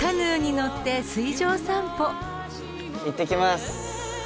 いってきます。